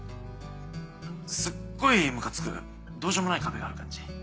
すっごいムカつくどうしようもない壁がある感じ。